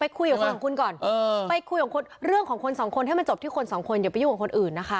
ไปคุยกับคนของคุณก่อนไปคุยเรื่องของคน๒คนถ้ามันจบที่คน๒คนจะไปอยู่กับคนอื่นนะคะ